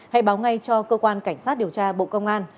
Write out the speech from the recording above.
hãy báo ngay cho cơ quan cảnh sát điều tra bộ công an